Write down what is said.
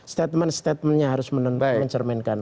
statement statementnya harus mencerminkan